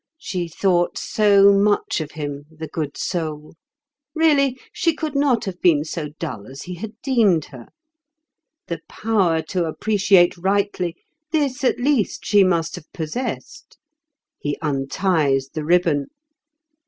She thought so much of him, the good soul! Really, she could not have been so dull as he had deemed her. The power to appreciate rightly—this, at least, she must have possessed. He unties the ribbon.